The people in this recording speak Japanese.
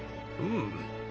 うん。